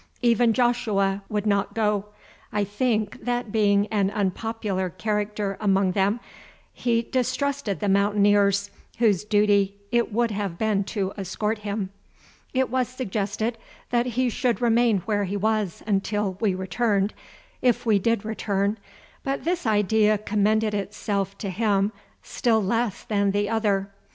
Even Joshua would not go; I think, that being an unpopular character among them, he distrusted the Mountaineers, whose duty it would have been to escort him. It was suggested that he should remain where he was until we returned, if we did return, but this idea commended itself to him still less than the other.